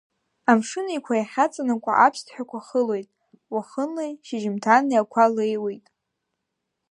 Амшын Еиқәа иахьаҵанакуа аԥсҭҳәақәа хылоит, уахынлеи шьыжьымҭани ақәа леиуеит.